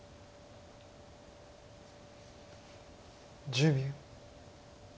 １０秒。